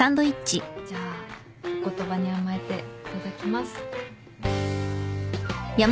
じゃあお言葉に甘えていただきます。